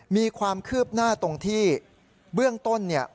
มีความคืบหน้าตรงที่เบื้องต้นเนี่ย